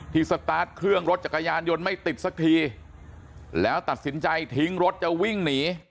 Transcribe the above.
สตาร์ทเครื่องรถจักรยานยนต์ไม่ติดสักทีแล้วตัดสินใจทิ้งรถจะวิ่งหนี